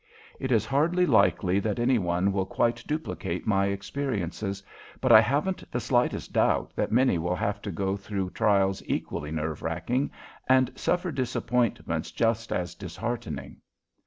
It is hardly likely that any one will quite duplicate my experiences, but I haven't the slightest doubt that many will have to go through trials equally nerve racking and suffer disappointments just as disheartening.